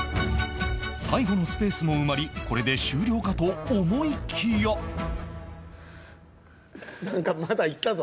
最後のスペースも埋まりこれで終了かと思いきやなんかまだ行ったぞ。